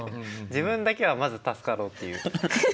自分だけはまず助かろうっていう。